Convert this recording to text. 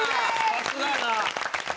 さすがやな！